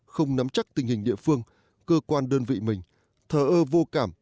không nắm chắc tình hình địa phương cơ quan đơn vị mình thờ ơ vô cảm